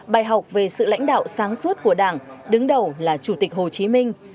bài học về sự lãnh đạo sáng suốt của đảng đứng đầu là chủ tịch hồ chí minh